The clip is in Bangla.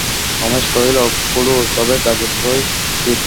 রমেশ কহিল, খুড়ো, তবে গাজিপুরই স্থির।